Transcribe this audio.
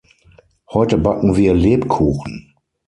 Heute backen wir Lebkuchen.